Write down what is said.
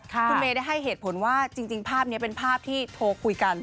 คุณเมย์ได้ให้เหตุผลว่าจริงภาพนี้เป็นภาพที่โทรคุยกัน